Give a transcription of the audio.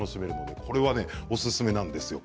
これはおすすめなんですよ。